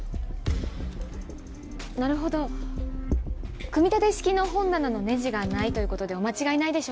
なるほど組み立て式の本棚のネジがないということでお間違いないでしょうか？